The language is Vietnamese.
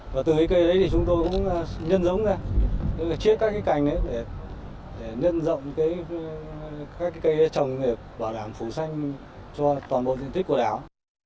và từ cây đấy thì chúng tôi cũng nhân dống ra chiết các cành để nhân rộng các cây trồng để bảo đảm phủ xanh cho toàn bộ diện tích của đảo